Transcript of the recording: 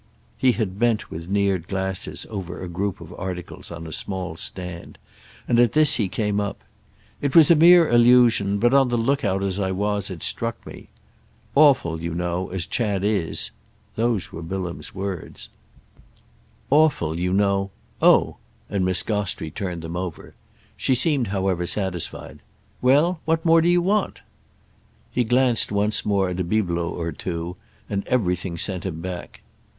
He had bent, with neared glasses, over a group of articles on a small stand; and at this he came up. "It was a mere allusion, but, on the lookout as I was, it struck me. 'Awful, you know, as Chad is'—those were Bilham's words." "'Awful, you know'—? Oh!"—and Miss Gostrey turned them over. She seemed, however, satisfied. "Well, what more do you want?" He glanced once more at a bibelot or two, and everything sent him back.